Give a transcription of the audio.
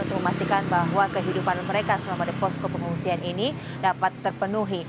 untuk memastikan bahwa kehidupan mereka selama di posko pengungsian ini dapat terpenuhi